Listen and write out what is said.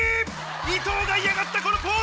伊藤が嫌がったこのポーズ！